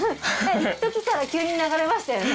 いっときから急に流れましたよね。